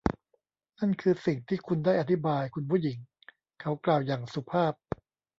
นั่นคือสิ่งที่คุณได้อธิบาย คุณผู้หญิง เขากล่าวอย่างสุภาพ